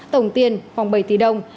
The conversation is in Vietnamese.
tổng tiền khoảng bảy tỷ đồng